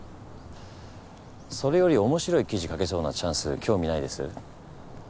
それより面白い記事書けそうなチャンス興味ないです？